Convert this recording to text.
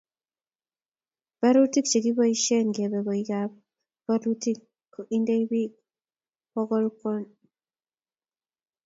barutik che kiboisien keebe koikab bolutik ko indei biik bokwondi